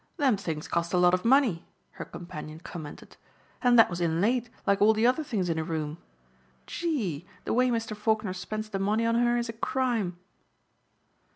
"Them things cost a lot of money," her companion commented, "and that was inlaid like all the other things in her room. Gee! the way Mr. Faulkner spends the money on her is a crime."